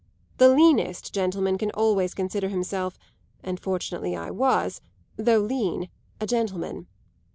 The leanest gentleman can always consider himself, and fortunately I was, though lean, a gentleman.